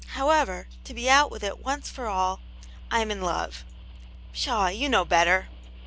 However, to be out with it once for all— I'm in love !"" Pshaw ; you know better."